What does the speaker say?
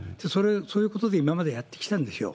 そういうことで今までやってきたんでしょう。